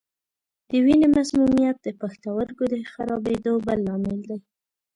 د وینې مسمومیت د پښتورګو د خرابېدو بل لامل دی.